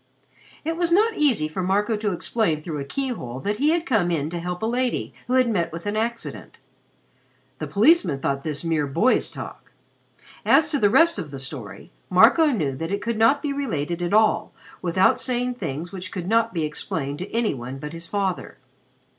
It was not easy for Marco to explain through a keyhole that he had come in to help a lady who had met with an accident. The policeman thought this mere boy's talk. As to the rest of the story, Marco knew that it could not be related at all without saying things which could not be explained to any one but his father.